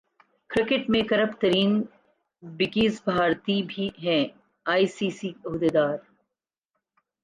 cricket میں corrupt ترین bookies بھارتی ہیں ائی سی سی عہدیدار